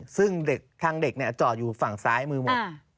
ซึ่งทางเด็กจอดอยู่ฝั่งซ้ายมือหมด